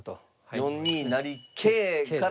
４二成桂から。